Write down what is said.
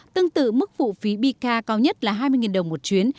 tương tự mức phụ phí bika cao nhất là hai mươi đồng một chuyến